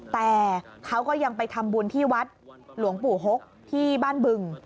แต่เขาก็ยังไปทำบุญที่วัดหลวงปู่หกที่บ้านบึง